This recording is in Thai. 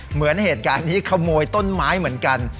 เหมือนเหตุการณ์นี้ขโมยต้นไม้เหมือนกัน